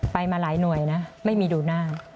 ไปมาหลายหน่วยนะไม่มีดูหน้า